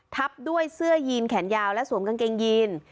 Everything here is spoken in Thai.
ทับด้วยเสื้อยีนแขนยาวและสวมกางเกงยีน